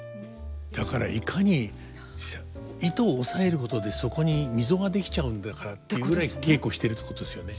だからいかに糸を押さえることでそこに溝が出来ちゃうんだからっていうぐらい稽古してるってことですよね。